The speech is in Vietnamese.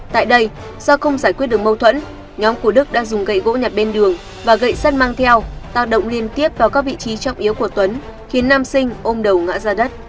tại đây do không giải quyết được mâu thuẫn nhóm của đức đã dùng gậy gỗ nhặt bên đường và gậy sắt mang theo tạo động liên tiếp vào các vị trí trọng yếu của tuấn khiến nam sinh ôm đầu ngã ra đất